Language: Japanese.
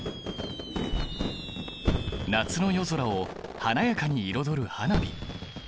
夏の夜空を華やかに彩る花火！